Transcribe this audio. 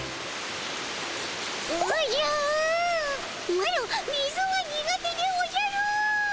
マロ水は苦手でおじゃる。